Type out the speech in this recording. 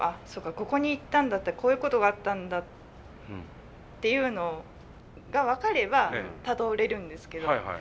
ここに行ったんだこういうことがあったんだっていうのが分かればたどれるんですけど。